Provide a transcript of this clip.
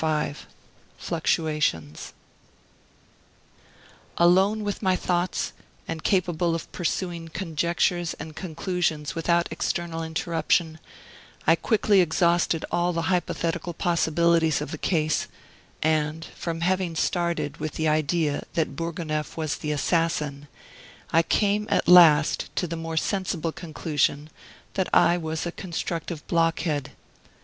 V FLUCTUATIONS Alone with my thoughts, and capable of pursuing conjectures and conclusions without external interruption, I quickly exhausted all the hypothetical possibilities of the case, and, from having started with the idea that Bourgonef was the assassin, I came at last to the more sensible conclusion that I was a constructive blockhead.